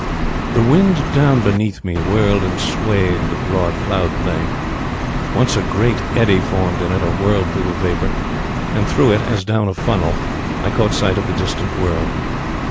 "The wind down beneath me whirled and swayed the broad cloud plain. Once a great eddy formed in it, a whirlpool of vapour, and through it, as down a funnel, I caught sight of the distant world.